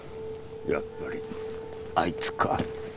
やっぱりあいつか。